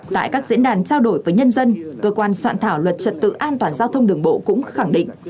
tại các diễn đàn trao đổi với nhân dân cơ quan soạn thảo luật trật tự an toàn giao thông đường bộ cũng khẳng định